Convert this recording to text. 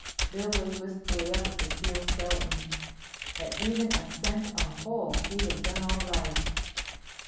Bill looked wistfully up at the steel skeleton. "At even a cent a hole, we'd have done all right."